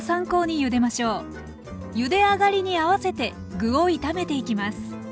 ゆで上がりに合わせて具を炒めていきます。